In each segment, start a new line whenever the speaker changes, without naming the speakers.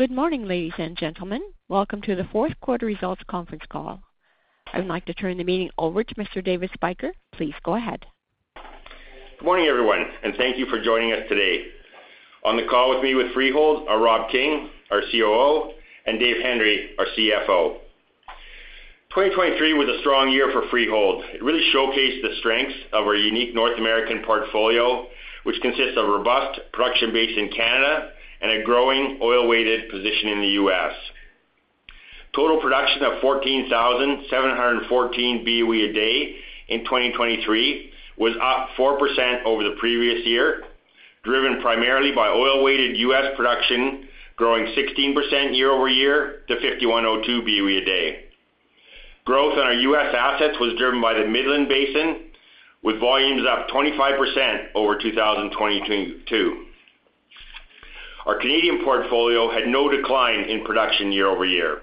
Good morning, ladies and gentlemen. Welcome to the fourth quarter results conference call. I would like to turn the meeting over to Mr. David Spyker. Please go ahead.
Good morning, everyone, and thank you for joining us today. On the call with me with Freehold are Rob King, our COO, and David Hendry, our CFO. 2023 was a strong year for Freehold. It really showcased the strengths of our unique North American portfolio, which consists of a robust production base in Canada and a growing oil-weighted position in the US. Total production of 14,714 BOE a day in 2023 was up 4% over the previous year, driven primarily by oil-weighted US production, growing 16% year-over-year to 5,102 BOE a day. Growth on our US assets was driven by the Midland Basin, with volumes up 25% over 2022. Our Canadian portfolio had no decline in production year-over-year.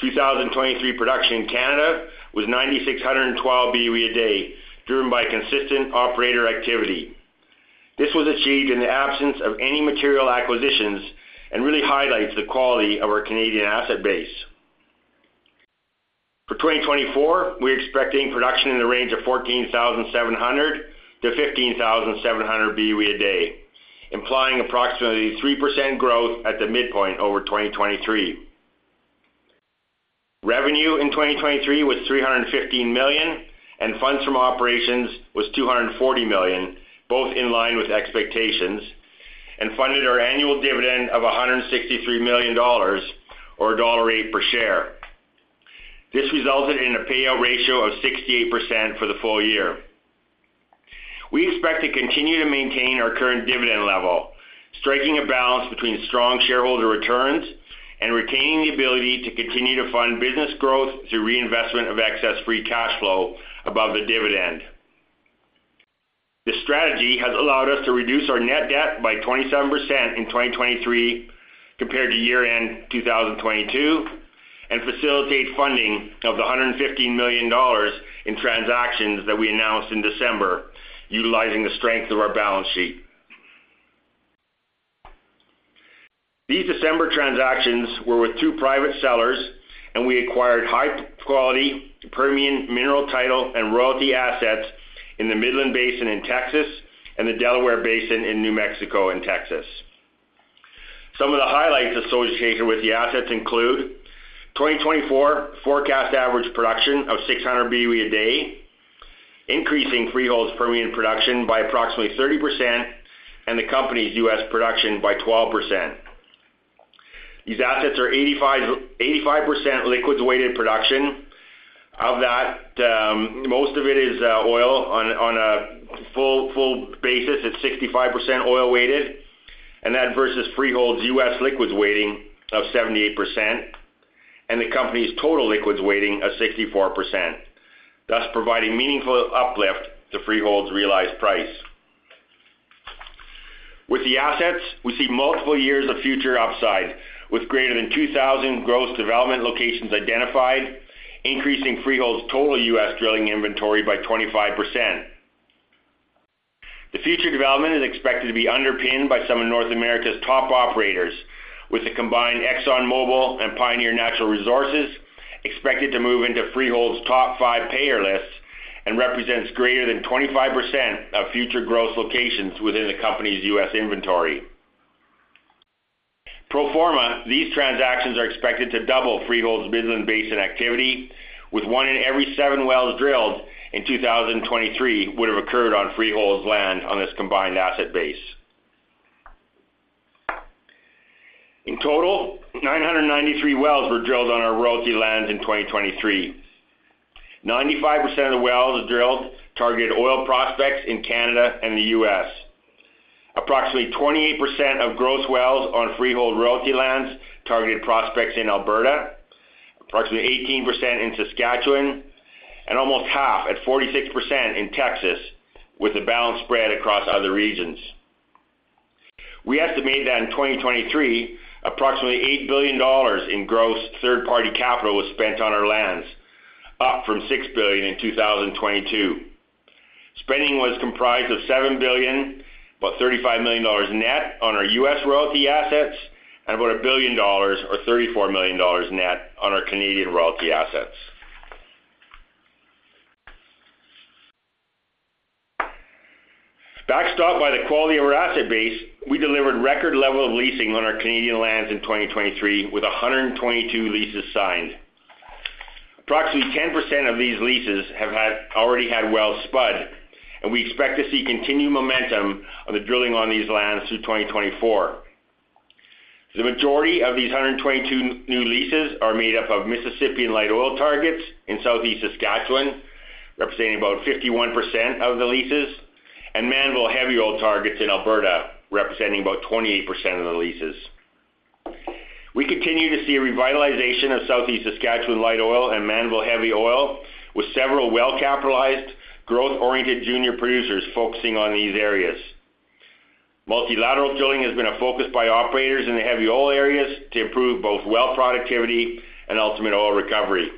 2023 production in Canada was 9,612 BOE a day, driven by consistent operator activity. This was achieved in the absence of any material acquisitions and really highlights the quality of our Canadian asset base. For 2024, we're expecting production in the range of 14,700-15,700 BOE a day, implying approximately 3% growth at the midpoint over 2023. Revenue in 2023 was 315 million, and funds from operations was 240 million, both in line with expectations, and funded our annual dividend of 163 million dollars or CAD 1.08 per share. This resulted in a payout ratio of 68% for the full year. We expect to continue to maintain our current dividend level, striking a balance between strong shareholder returns and retaining the ability to continue to fund business growth through reinvestment of excess free cash flow above the dividend. This strategy has allowed us to reduce our net debt by 27% in 2023 compared to year-end 2022, and facilitate funding of the $115 million in transactions that we announced in December, utilizing the strength of our balance sheet. These December transactions were with two private sellers, and we acquired high-quality Permian mineral title and royalty assets in the Midland Basin in Texas and the Delaware Basin in New Mexico and Texas. Some of the highlights associated with the assets include: 2024 forecast average production of 600 BOE a day, increasing Freehold's Permian production by approximately 30% and the company's US production by 12%. These assets are 85, 85% liquids-weighted production. Of that, most of it is, oil. On a full basis, it's 65% oil-weighted, and that versus Freehold's US liquids weighting of 78%, and the company's total liquids weighting of 64%, thus providing meaningful uplift to Freehold's realized price. With the assets, we see multiple years of future upside, with greater than 2,000 gross development locations identified, increasing Freehold's total US drilling inventory by 25%. The future development is expected to be underpinned by some of North America's top operators, with the combined ExxonMobil and Pioneer Natural Resources expected to move into Freehold's top five payer lists and represents greater than 25% of future growth locations within the company's US inventory. Pro forma, these transactions are expected to double Freehold's Midland Basin activity, with one in every seven wells drilled in 2023 would have occurred on Freehold's land on this combined asset base. In total, 993 wells were drilled on our royalty lands in 2023. 95% of the wells drilled targeted oil prospects in Canada and the U.S. Approximately 28% of gross wells on Freehold royalty lands targeted prospects in Alberta, approximately 18% in Saskatchewan, and almost half, at 46%, in Texas, with the balance spread across other regions. We estimate that in 2023, approximately $8 billion in gross third-party capital was spent on our lands, up from $6 billion in 2022. Spending was comprised of $7 billion, about $35 million net on our U.S. royalty assets, and about $1 billion or $34 million net on our Canadian royalty assets. Backstopped by the quality of our asset base, we delivered record level of leasing on our Canadian lands in 2023, with 122 leases signed. Approximately 10% of these leases have already had wells spud, and we expect to see continued momentum on the drilling on these lands through 2024. The majority of these 122 new leases are made up of Mississippian light oil targets in Southeast Saskatchewan, representing about 51% of the leases, and Mannville heavy oil targets in Alberta, representing about 28% of the leases. We continue to see a revitalization of Southeast Saskatchewan light oil and Mannville heavy oil, with several well-capitalized, growth-oriented junior producers focusing on these areas. Multilateral drilling has been a focus by operators in the heavy oil areas to improve both well productivity and ultimate oil recovery.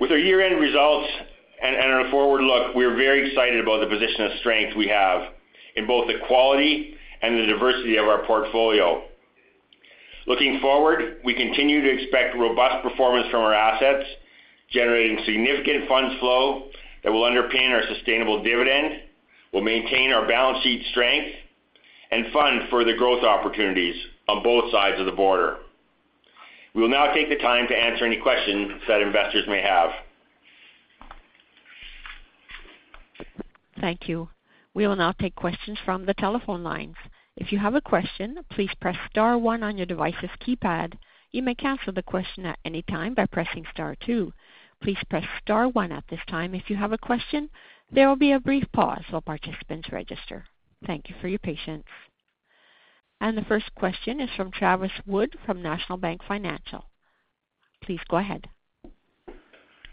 With our year-end results and our forward look, we're very excited about the position of strength we have in both the quality and the diversity of our portfolio. Looking forward, we continue to expect robust performance from our assets, generating significant funds flow that will underpin our sustainable dividend, will maintain our balance sheet strength, and fund further growth opportunities on both sides of the border. We will now take the time to answer any questions that investors may have.
Thank you. We will now take questions from the telephone lines. If you have a question, please press star one on your device's keypad. You may cancel the question at any time by pressing star two. Please press star one at this time if you have a question. There will be a brief pause while participants register. Thank you for your patience. The first question is from Travis Wood from National Bank Financial. Please go ahead.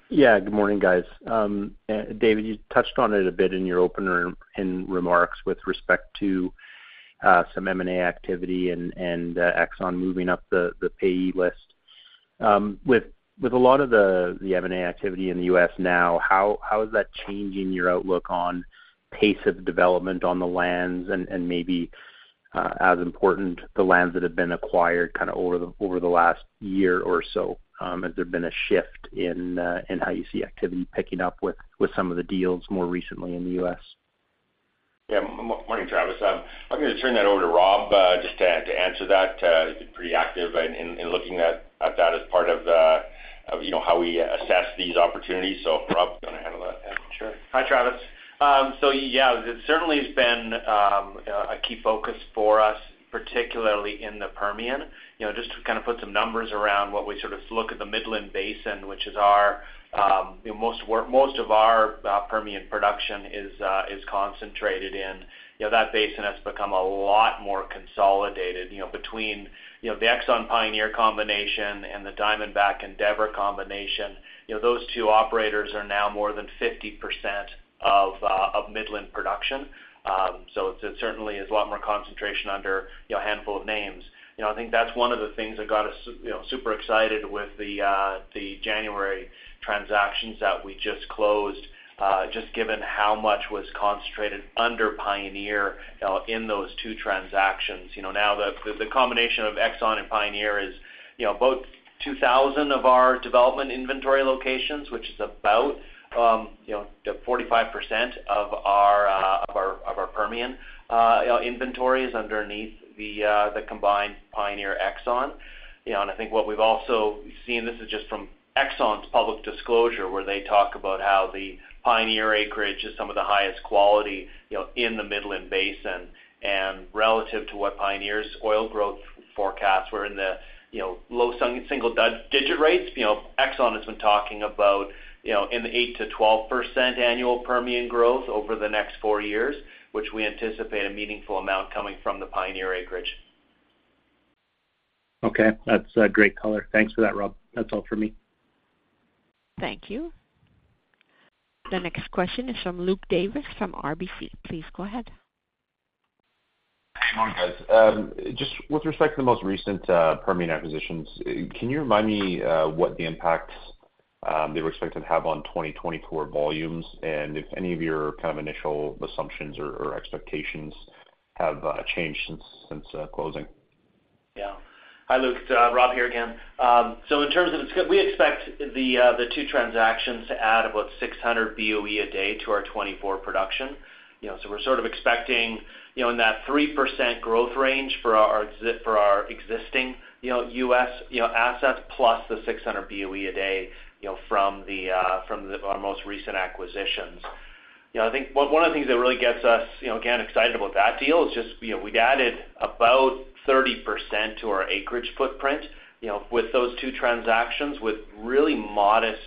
Yeah, good morning, guys. David, you touched on it a bit in your opener in remarks with respect to some M&A activity and Exxon moving up the payer list. With a lot of the M&A activity in the US now, how is that changing your outlook on pace of development on the lands and maybe as important, the lands that have been acquired over the last year or so, has there been a shift in how you see activity picking up with some of the deals more recently in the US?
Yeah. Morning, Travis. I'm gonna turn that over to Rob, just to answer that. He's been pretty active in looking at that as part of, you know, how we assess these opportunities. So Rob, do you wanna handle that?
Sure. Hi, Travis. So yeah, it certainly has been a key focus for us, particularly in the Permian. You know, just to kinda put some numbers around what we sort of look at the Midland Basin, which is our, you know, most of our Permian production is concentrated in. You know, that basin has become a lot more consolidated, you know, between, you know, the Exxon Pioneer combination and the Diamondback and Endeavor combination, you know, those two operators are now more than 50% of Midland production. So it certainly is a lot more concentration under, you know, a handful of names. You know, I think that's one of the things that got us, you know, super excited with the January transactions that we just closed, just given how much was concentrated under Pioneer in those two transactions. You know, now the combination of Exxon and Pioneer is, you know, both 2,000 of our development inventory locations, which is about, you know, 45% of our of our of our Permian inventories underneath the the combined Pioneer Exxon. You know, and I think what we've also seen, this is just from Exxon's public disclosure, where they talk about how the Pioneer acreage is some of the highest quality, you know, in the Midland Basin. Relative to what Pioneer's oil growth forecasts were in the, you know, low single-digit rates, you know, Exxon has been talking about, you know, in the 8%-12% annual Permian growth over the next 4 years, which we anticipate a meaningful amount coming from the Pioneer acreage.
Okay. That's great color. Thanks for that, Rob. That's all for me.
Thank you. The next question is from Luke Davis, from RBC. Please go ahead.
Good morning, guys. Just with respect to the most recent Permian acquisitions, can you remind me what the impacts they were expected to have on 2024 volumes, and if any of your kind of initial assumptions or expectations have changed since closing?
Yeah. Hi, Luke, it's Rob here again. So in terms of the two transactions, we expect the two transactions to add about 600 BOE a day to our 2024 production. You know, so we're sort of expecting, you know, in that 3% growth range for our existing, you know, US, you know, assets, plus the 600 BOE a day, you know, from our most recent acquisitions. You know, I think one of the things that really gets us, you know, again, excited about that deal is just, you know, we've added about 30% to our acreage footprint, you know, with those two transactions, with really modest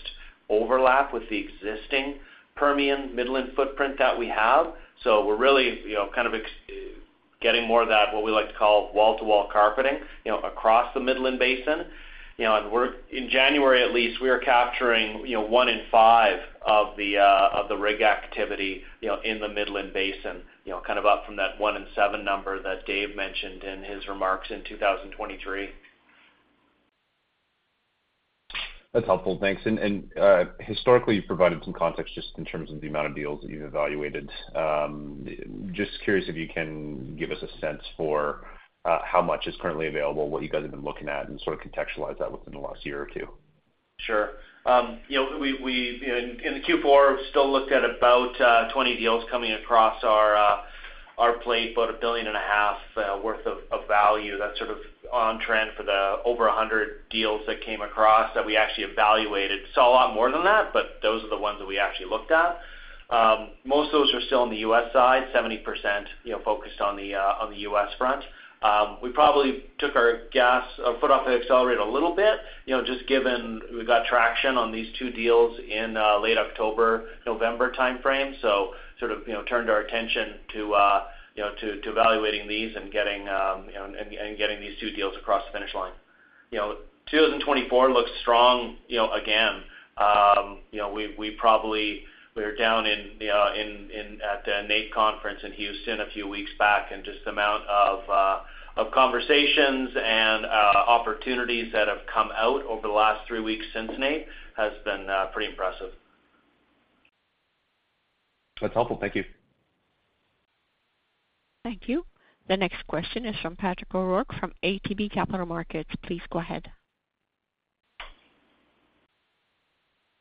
overlap with the existing Permian Midland footprint that we have. So we're really, you know, kind of getting more of that, what we like to call, wall-to-wall carpeting, you know, across the Midland Basin. You know, and we're in January, at least, we are capturing, you know, 1 in 5 of the rig activity, you know, in the Midland Basin, you know, kind of up from that 1 in 7 number that Dave mentioned in his remarks in 2023.
That's helpful. Thanks. And, historically, you've provided some context just in terms of the amount of deals that you've evaluated. Just curious if you can give us a sense for, how much is currently available, what you guys have been looking at, and sort of contextualize that within the last year or two.
Sure. You know, we in the Q4 still looked at about 20 deals coming across our plate, about $1.5 billion worth of value. That's sort of on trend for the over 100 deals that came across that we actually evaluated. Saw a lot more than that, but those are the ones that we actually looked at. Most of those are still on the US side, 70%, you know, focused on the US front. We probably took our gas foot off the accelerator a little bit, you know, just given we got traction on these two deals in late October, November timeframe. So sort of, you know, turned our attention to, you know, to evaluating these and getting, you know, and getting these two deals across the finish line. You know, 2024 looks strong, you know, again. You know, we probably—we were down in, in, at the NAPE conference in Houston a few weeks back, and just the amount of conversations and opportunities that have come out over the last three weeks since NAPE has been pretty impressive....
That's helpful. Thank you.
Thank you. The next question is from Patrick O'Rourke from ATB Capital Markets. Please go ahead.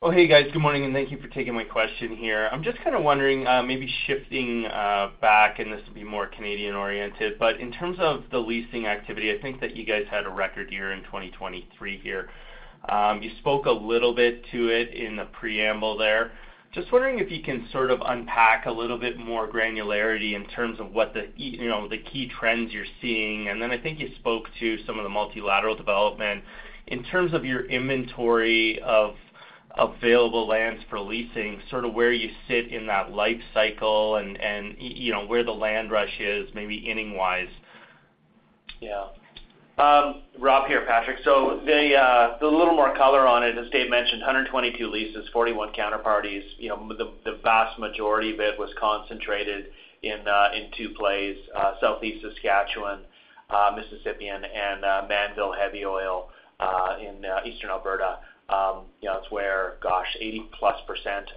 Well, hey, guys. Good morning, and thank you for taking my question here. I'm just kind of wondering, maybe shifting back, and this will be more Canadian-oriented, but in terms of the leasing activity, I think that you guys had a record year in 2023 here. You spoke a little bit to it in the preamble there. Just wondering if you can sort of unpack a little bit more granularity in terms of what the, you know, the key trends you're seeing. And then I think you spoke to some of the multilateral development. In terms of your inventory of available lands for leasing, sort of where you sit in that life cycle and, you know, where the land rush is, maybe inning-wise?
Yeah. Rob here, Patrick. So the little more color on it, as Dave mentioned, 122 leases, 41 counterparties. You know, the vast majority of it was concentrated in two plays, Southeast Saskatchewan Mississippian, and Mannville Heavy Oil in Eastern Alberta. You know, it's where, gosh, 80%+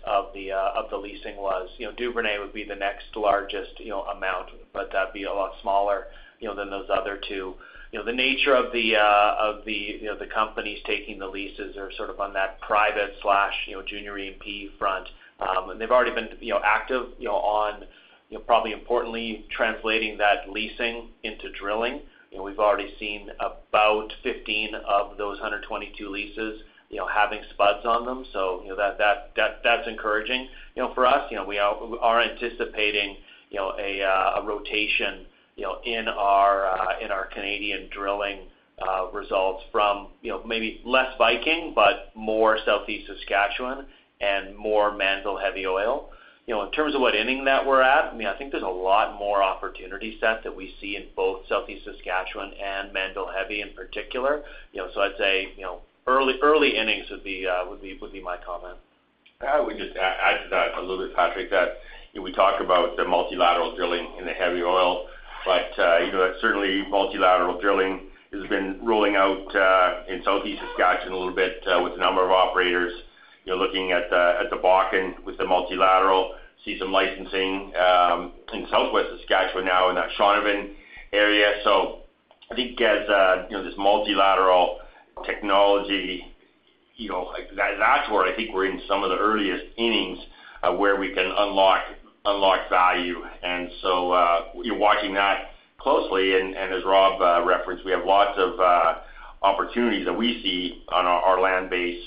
of the leasing was. You know, Duvernay would be the next largest, you know, amount, but that'd be a lot smaller, you know, than those other two. You know, the nature of the companies taking the leases are sort of on that private slash junior E&P front. And they've already been, you know, active, you know, on, you know, probably importantly, translating that leasing into drilling. You know, we've already seen about 15 of those 122 leases, you know, having spuds on them. So you know, that, that's encouraging. You know, for us, you know, we are anticipating, you know, a rotation, you know, in our Canadian drilling results from, you know, maybe less Viking, but more Southeast Saskatchewan and more Mannville Heavy Oil. You know, in terms of what inning that we're at, I mean, I think there's a lot more opportunity set that we see in both Southeast Saskatchewan and Mannville Heavy, in particular. You know, so I'd say, you know, early, early innings would be my comment.
I would just add to that a little bit, Patrick, that, you know, we talk about the multilateral drilling in the heavy oil, but, you know, certainly multilateral drilling has been rolling out in Southeast Saskatchewan a little bit with a number of operators. You're looking at the Bakken with the multilateral, see some licensing in Southwest Saskatchewan now in that Shaunavon area. So I think as, you know, this multilateral technology, you know, that, that's where I think we're in some of the earliest innings where we can unlock value. And so, you're watching that closely, and as Rob referenced, we have lots of opportunities that we see on our land base,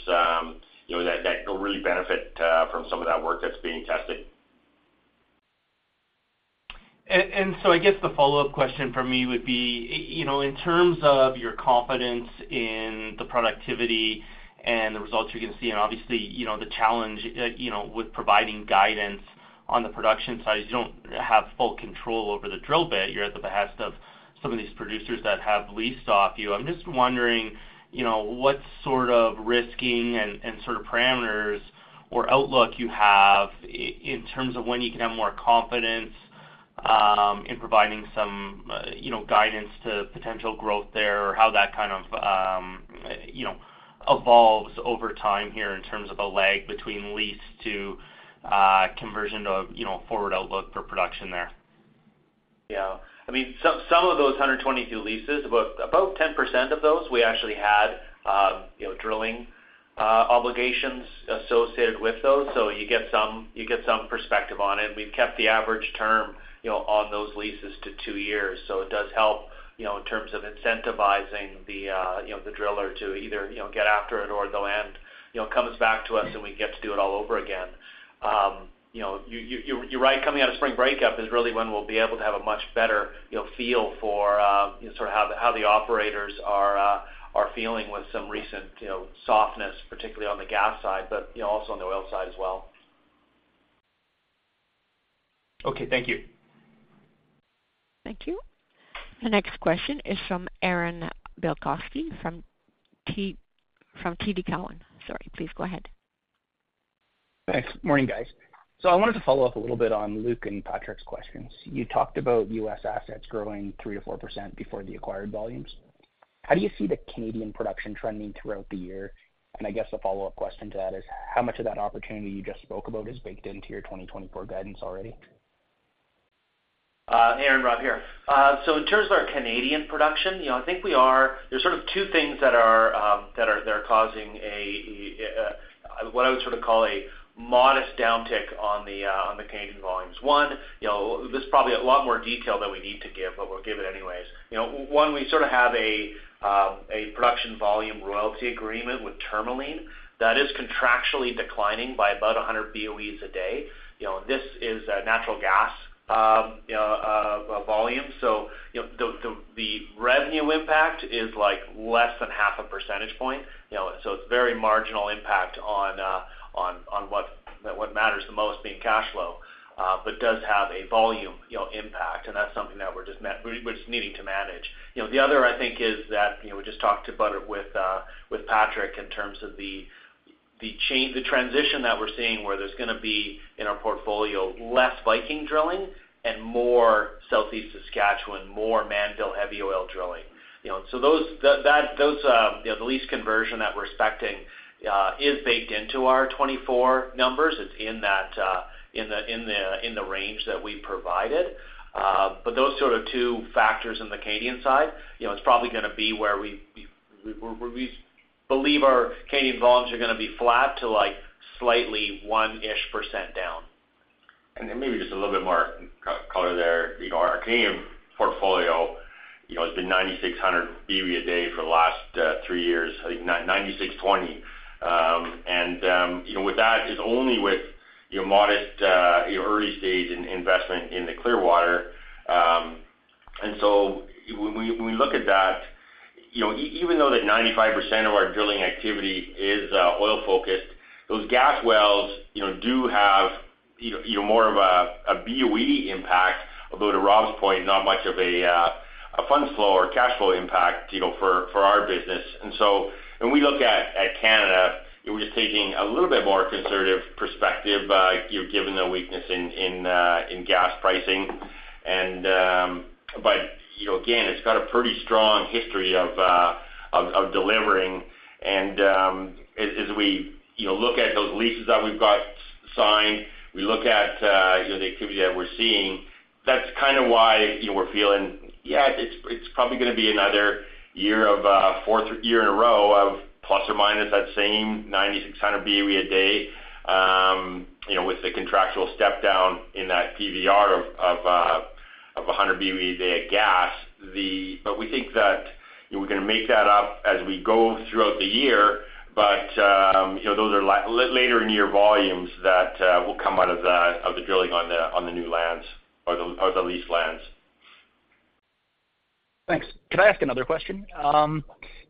you know, that that will really benefit from some of that work that's being tested.
I guess the follow-up question from me would be, you know, in terms of your confidence in the productivity and the results you're gonna see, and obviously, you know, the challenge, you know, with providing guidance on the production side, you don't have full control over the drill bit. You're at the behest of some of these producers that have leased off you. I'm just wondering, you know, what sort of risking and sort of parameters or outlook you have in terms of when you can have more confidence in providing some, you know, guidance to potential growth there, or how that kind of, you know, evolves over time here in terms of a lag between lease to conversion to, you know, forward outlook for production there?
Yeah. I mean, some of those 122 leases, about 10% of those, we actually had, you know, drilling obligations associated with those. So you get some perspective on it. We've kept the average term, you know, on those leases to 2 years, so it does help, you know, in terms of incentivizing the, you know, the driller to either, you know, get after it, or the land, you know, comes back to us, and we get to do it all over again. You know, you're right, coming out of spring breakup is really when we'll be able to have a much better, you know, feel for, sort of how the operators are feeling with some recent, you know, softness, particularly on the gas side, but, you know, also on the oil side as well.
Okay, thank you.
Thank you. The next question is from Aaron Bilkoski from TD Cowen. Sorry. Please go ahead.
Thanks. Morning, guys. So I wanted to follow up a little bit on Luke and Patrick's questions. You talked about U.S. assets growing 3%-4% before the acquired volumes. How do you see the Canadian production trending throughout the year? And I guess the follow-up question to that is, how much of that opportunity you just spoke about is baked into your 2024 guidance already?
Aaron, Rob here. So in terms of our Canadian production, you know, I think we are, there's sort of two things that are causing a what I would sort of call a modest downtick on the Canadian volumes. One, you know, there's probably a lot more detail than we need to give, but we'll give it anyways. You know, one, we sort of have a production volume royalty agreement with Tourmaline that is contractually declining by about 100 BOEs a day. You know, this is a natural gas volume, so, you know, the revenue impact is, like, less than half a percentage point, you know, so it's very marginal impact on what matters the most, being cash flow, but does have a volume, you know, impact, and that's something that we're just needing to manage. You know, the other, I think is that, you know, we just talked about it with Patrick in terms of the change, the transition that we're seeing, where there's gonna be in our portfolio, less Viking drilling and more Southeast Saskatchewan, more Mannville heavy oil drilling. You know, so the lease conversion that we're expecting is baked into our 2024 numbers. It's in that range that we provided. But those sort of two factors in the Canadian side, you know, it's probably gonna be where we believe our Canadian volumes are gonna be flat to, like, slightly 1%-ish down.
Then maybe just a little bit more color there. You know, our Canadian portfolio, you know, has been 9,600 BOE a day for the last three years, like 9,620. And, you know, with that, it's only with, you know, modest early-stage investment in the Clearwater. And so when we, when we look at that, you know, even though that 95% of our drilling activity is oil-focused, those gas wells, you know, do have, you know, more of a BOE impact. Although, to Rob's point, not much of a fund flow or cash flow impact, you know, for our business. And so when we look at Canada, we're just taking a little bit more conservative perspective, you know, given the weakness in gas pricing. But, you know, again, it's got a pretty strong history of delivering. As we, you know, look at those leases that we've got signed, we look at the activity that we're seeing, that's kind of why, you know, we're feeling, yeah, it's probably gonna be another year of fourth year in a row of ± that same 9,600 BOE a day. You know, with the contractual step down in that PVR of 100 BOE a day at gas. But we think that, you know, we're gonna make that up as we go throughout the year, but, you know, those are later in year volumes that will come out of the drilling on the new lands or the lease lands.
Thanks. Could I ask another question?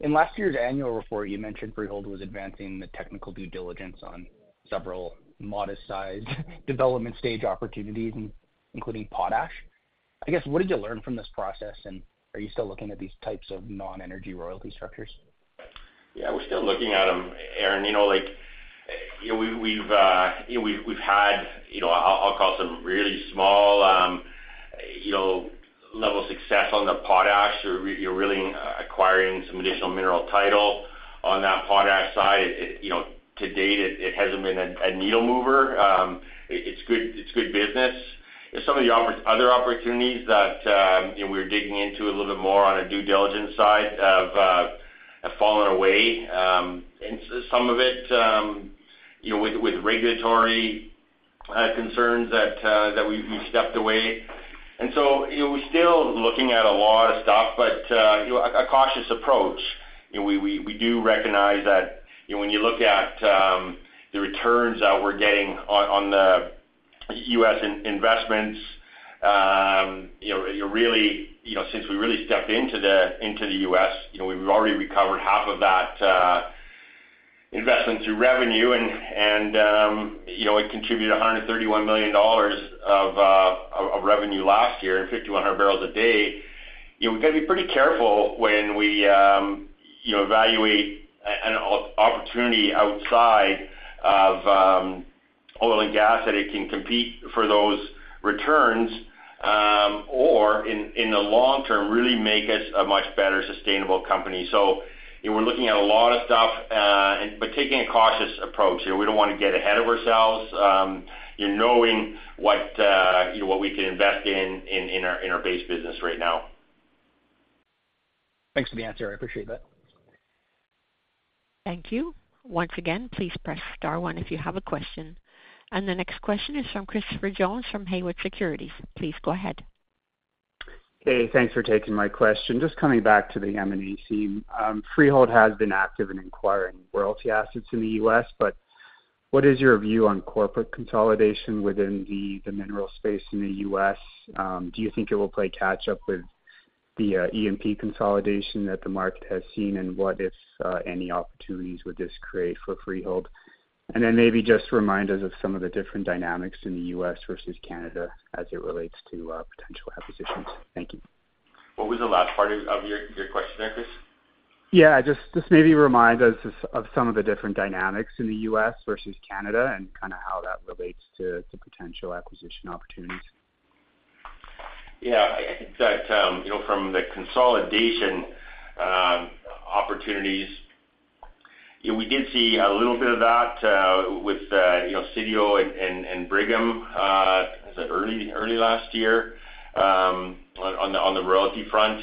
In last year's annual report, you mentioned Freehold was advancing the technical due diligence on several modest-sized development stage opportunities, including potash. I guess, what did you learn from this process, and are you still looking at these types of non-energy royalty structures?
Yeah, we're still looking at them, Aaron. You know, like, you know, we've had, you know, I'll call some really small, you know, level of success on the potash. You're really acquiring some additional mineral title on that potash side. You know, to date, it hasn't been a needle mover. It's good, it's good business. Some of the other opportunities that, you know, we're digging into a little bit more on a due diligence side have fallen away. And so some of it, you know, with regulatory concerns that we've stepped away. And so, you know, we're still looking at a lot of stuff, but, you know, a cautious approach. You know, we do recognize that, you know, when you look at the returns that we're getting on the U.S. investments, you know, you really... You know, since we really stepped into the U.S., you know, we've already recovered half of that investment through revenue and, you know, it contributed $131 million of revenue last year and 5,100 barrels a day. You know, we've got to be pretty careful when we evaluate an opportunity outside of oil and gas, that it can compete for those returns, or in the long term, really make us a much better sustainable company. So, you know, we're looking at a lot of stuff and but taking a cautious approach. You know, we don't want to get ahead of ourselves, you know what we can invest in our base business right now.
Thanks for the answer. I appreciate that.
Thank you. Once again, please press star one if you have a question. The next question is from Christopher Jones from Haywood Securities. Please go ahead.
Hey, thanks for taking my question. Just coming back to the M&A scene. Freehold has been active in acquiring royalty assets in the US, but what is your view on corporate consolidation within the mineral space in the US? Do you think it will play catch up with the E&P consolidation that the market has seen? And what, if any, opportunities would this create for Freehold? And then maybe just remind us of some of the different dynamics in the US versus Canada as it relates to potential acquisitions. Thank you.
What was the last part of your question there, Chris?
Yeah, just maybe remind us of some of the different dynamics in the U.S. versus Canada and kind of how that relates to potential acquisition opportunities.
Yeah, I think that, you know, from the consolidation opportunities, you know, we did see a little bit of that with, you know, Sitio and Brigham early last year on the royalty front.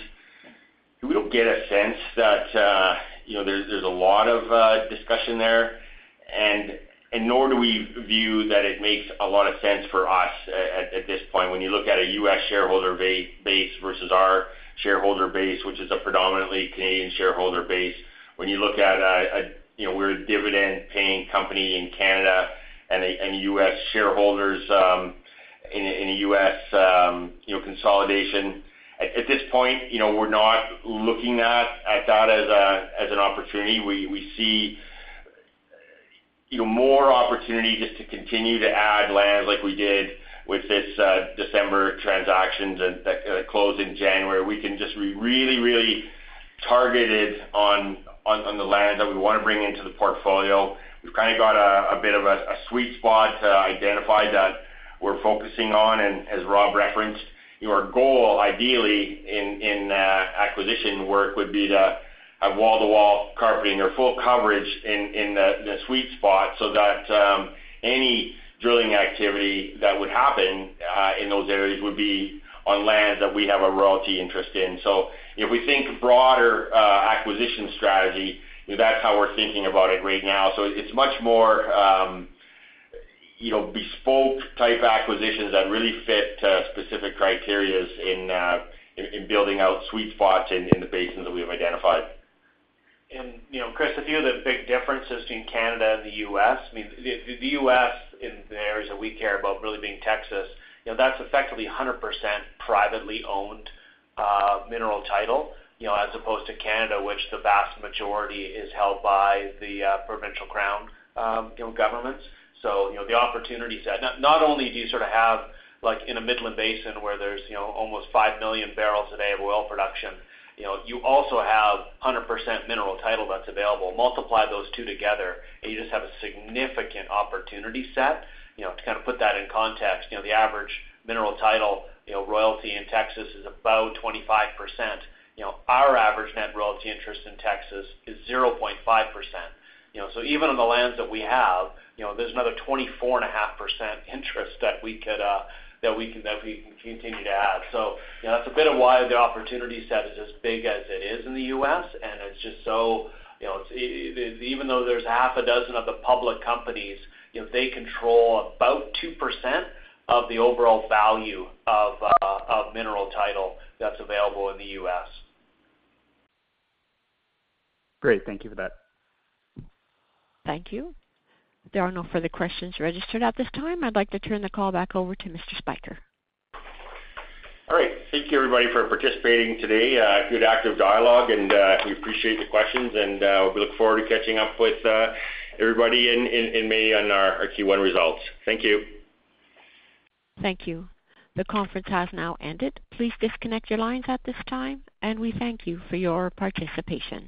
We don't get a sense that, you know, there's a lot of discussion there, and nor do we view that it makes a lot of sense for us at this point. When you look at a U.S. shareholder base versus our shareholder base, which is a predominantly Canadian shareholder base, when you look at. You know, we're a dividend-paying company in Canada, and U.S. shareholders in a U.S. consolidation. At this point, you know, we're not looking at that as an opportunity. We, we see. You know, more opportunity just to continue to add lands like we did with this, December transactions that, that, closed in January. We can just be really, really targeted on, on, on the land that we wanna bring into the portfolio. We've kind of got a, a bit of a, a sweet spot to identify that we're focusing on. And as Rob referenced, your goal, ideally, in, in, acquisition work would be the, a wall-to-wall carpeting or full coverage in, in the, the sweet spot, so that, any drilling activity that would happen, in those areas would be on lands that we have a royalty interest in. So if we think broader, acquisition strategy, that's how we're thinking about it right now. It's much more, you know, bespoke type acquisitions that really fit specific criteria in building out sweet spots in the basins that we have identified.
You know, Chris, a few of the big differences between Canada and the US, I mean, the US, in the areas that we care about, really being Texas, you know, that's effectively 100% privately owned mineral title, you know, as opposed to Canada, which the vast majority is held by the provincial crown, you know, governments. So, you know, the opportunity set. Not only do you sort of have, like, in a Midland Basin, where there's, you know, almost 5 million barrels a day of oil production, you know, you also have 100% mineral title that's available. Multiply those two together, and you just have a significant opportunity set. You know, to kind of put that in context, you know, the average mineral title royalty in Texas is about 25%. You know, our average net royalty interest in Texas is 0.5%. You know, so even on the lands that we have, you know, there's another 24.5% interest that we could, that we can, that we can continue to add. So, you know, that's a bit of why the opportunity set is as big as it is in the U.S., and it's just so, you know, it even though there's half a dozen of the public companies, you know, they control about 2% of the overall value of, of mineral title that's available in the U.S.
Great. Thank you for that.
Thank you. There are no further questions registered at this time. I'd like to turn the call back over to Mr. Spyker.
All right. Thank you, everybody, for participating today. A good active dialogue, and we appreciate the questions. We look forward to catching up with everybody in May on our Q1 results. Thank you.
Thank you. The conference has now ended. Please disconnect your lines at this time, and we thank you for your participation.